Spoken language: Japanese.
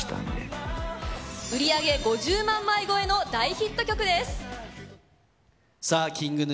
売上５０万枚超えの大ヒット曲です。